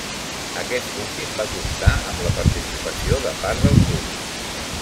Aquest últim va comptar amb la participació de part del públic.